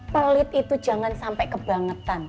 pelit itu jangan sampai kebangetan